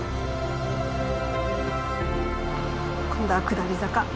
今度は下り坂。